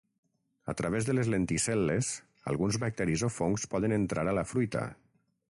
A través de les lenticel·les, alguns bacteris o fongs poden entrar a la fruita.